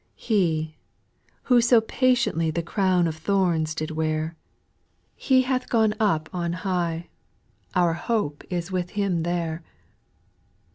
8. He, who so patiently The crown of thorns did wear,— He hath gone up on high ; Our hope is with Him there.